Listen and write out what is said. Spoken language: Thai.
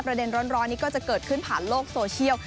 เด็นร้อนนี้ก็จะเกิดขึ้นผ่านโลกโซเชียล